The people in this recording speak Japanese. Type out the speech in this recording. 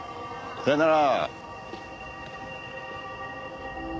さようなら。